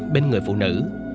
bên người phụ nữ